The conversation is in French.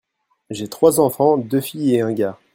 J'ai trois enfants, deux filles et un gars.